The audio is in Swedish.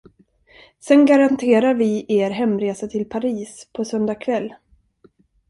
Sen garanterar vi er hemresa till Paris, på söndag kväll.